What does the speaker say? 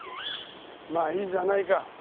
まあいいじゃないか。